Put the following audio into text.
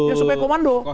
ya sebagai komando